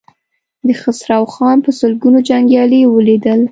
د خسرو خان په سلګونو جنګيالي ولوېدل.